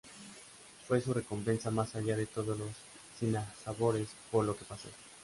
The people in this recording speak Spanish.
Fue su recompensa más allá de todos los sinsabores por los que pasó.